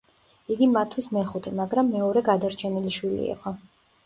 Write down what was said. იგი მათთვის მეხუთე, მაგრამ მეორე გადარჩენილი შვილი იყო.